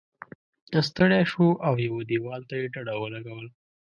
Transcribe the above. ستړی شو او یوه دیوال ته یې ډډه ولګوله.